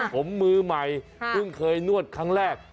ผมมือใหม่เพิ่งเคยนวดครั้งแรก